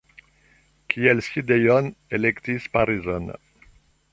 Kiel sidejon elektis Parizon.